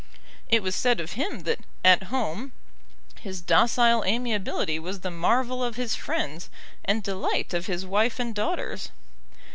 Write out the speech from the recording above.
It was said of him that "at home" his docile amiability was the marvel of his friends, and delight of his wife and daughters.